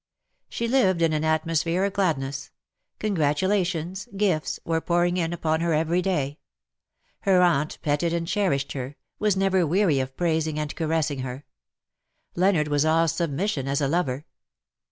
She lived in an atmosphere of gladness ; congratulations, gifts, were pouring in upon her every day ; her aunt petted and cherished her, was never weary of praising and caressing her. Leonard was all submission as a lover.